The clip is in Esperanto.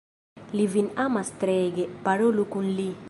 Li vin amas treege, parolu kun li.